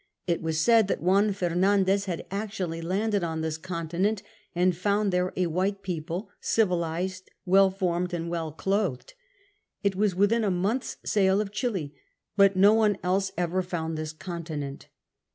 It was said that Juan Fernandez had actually landed on this continent and found there a white people, civilised, well formed, well clothed. It was within a month's sail of Chili. But no one else ever found this continent.